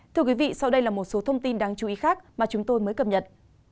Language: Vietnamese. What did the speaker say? thưa quý vị sau đây là một số thông tin đáng chú ý khác mà chúng tôi mới cập nhật